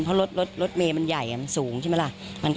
เพราะรถเมย์มันใหญ่มันสูงใช่ไหมล่ะ